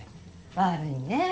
悪いねぇ。